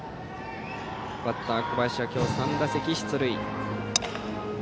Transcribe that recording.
バッターの小林は今日３打席出塁。